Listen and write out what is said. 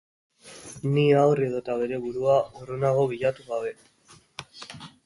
Nihaur edota bere burua, urrunago bilatu gabe.